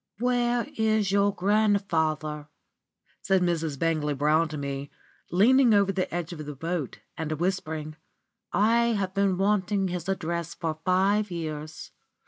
"Where is your grandfather?" said Mrs. Bangley Brown to me, leaning over the edge of the boat and whispering. "I have been wanting his address for five years.